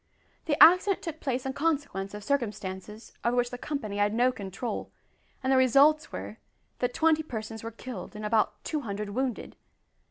The accident took place in consequence of circumstances over which the company had no control, and the results were that twenty persons were killed and about two hundred wounded!